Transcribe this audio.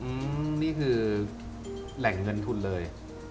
อืมนี่คือแหล่งเงินทุนเลย